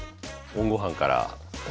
ＯＮごはんから。